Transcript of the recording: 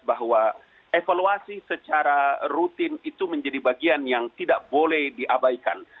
bahwa evaluasi secara rutin itu menjadi bagian yang tidak boleh diabaikan